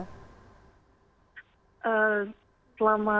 selama saya mengembang proses profesi sebagai seorang penumpang ini